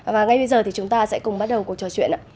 và ngay bây giờ thì chúng ta sẽ cùng bắt đầu cuộc trò chuyện ạ